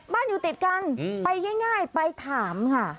อยู่ติดกันไปง่ายไปถามค่ะ